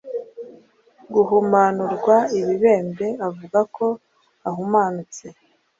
guhumanurwa ibibembe avuge ko ahumanutse